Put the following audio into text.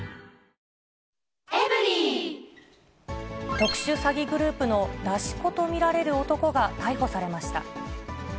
特殊詐欺グループの出し子と見られる男が逮捕されました。